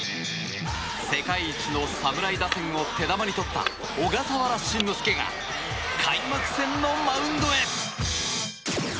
世界一の侍打線を手玉に取った小笠原慎之介が開幕戦のマウンドへ。